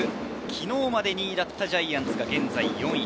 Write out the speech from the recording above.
昨日まで２位だったジャイアンツは現在４位。